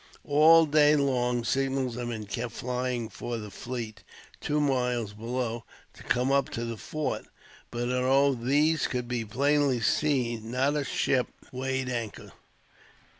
All day long, signals had been kept flying for the fleet, two miles below, to come up to the fort; but although these could be plainly seen, not a ship weighed anchor.